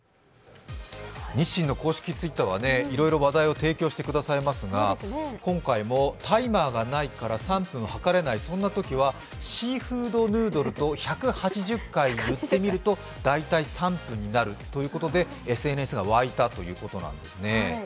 日清の公式Ｔｗｉｔｔｅｒはいろいろと話題を提供をしてくれますが今回もタイマーがないから３分はかれない、そんなときはシーフードヌードルと１８０回言ってみると大体３分になるということで、ＳＮＳが沸いたということなんですね。